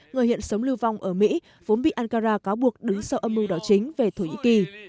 người hiện sống lưu vong ở mỹ vốn bị ankara cáo buộc đứng sau âm mưu đảo chính về thổ nhĩ kỳ